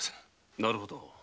なるほど。